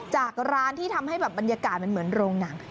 จากร้านที่ทำให้แบบบรรยากาศมันเหมือนโรงหนัง